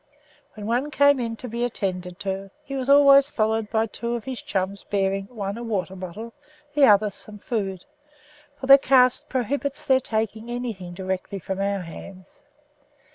When one came in to be attended to, he was always followed by two of his chums bearing, one a water bottle, the other some food, for their caste prohibits their taking anything directly from our hands.